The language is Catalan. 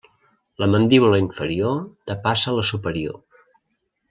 La mandíbula inferior depassa la superior.